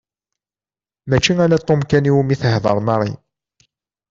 Mačči ala Tom kan iwimi tehder Mary.